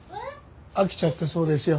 飽きちゃったそうですよ。